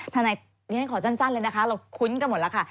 เรียนขอสั้นเลยนะคะเราคุ้นกันหมดแล้วค่ะ